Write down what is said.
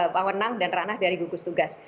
wawenang dan ranah dari gugus tugas